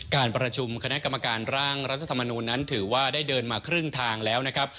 การประชุมคณะกรรมการร่างรัฐธรรมนูลนั้นถือว่าได้เดินมาครึ่งทางแล้วนะครับ